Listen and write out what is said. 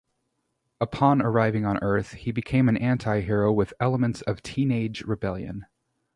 Upon arriving on Earth, he became an anti-hero with elements of teenage rebellion.